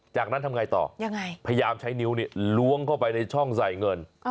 จากนั้นทำไงต่อยังไงพยายามใช้นิ้วล้วงเข้าไปในช่องใส่เงิน